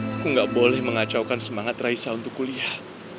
aku nggak boleh mengacaukan semangat raisa untuk kuliah